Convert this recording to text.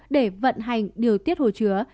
để vận hành điều tiết hồ chứa